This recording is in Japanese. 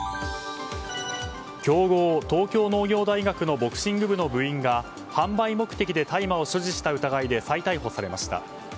強豪・東京農業大学のボクシング部の部員が販売目的で大麻を所持した疑いで再逮捕されました。